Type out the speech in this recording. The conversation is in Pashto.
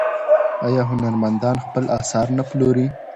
آیا هنرمندان خپل اثار نه پلوري؟